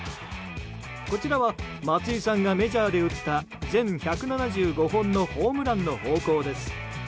こちらは松井さんがメジャーで打った全１７５本のホームランの方向です。